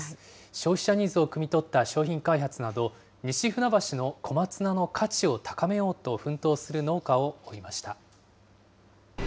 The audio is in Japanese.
消費者ニーズをくみ取った商品開発など、西船橋の小松菜の価値を高めようと奮闘する農家を追いました。